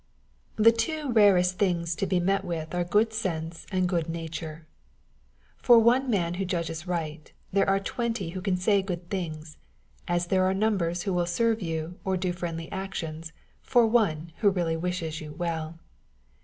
THE two rarest things to be met with are good sense and good nature. For one man who' judges right, there are twenty who can say good things ; as there are numbers who will serve you or do friendly actions, for one who really wishes you well.